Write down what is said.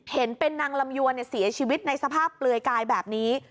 เห็นเป็นนางลำยวนเสียชีวิตในสภาพเปลือยกายแบบนี้